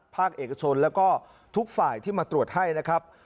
ภาคเอกชนแล้วก็ทุกฝ่ายที่มาตรวจให้นะครับ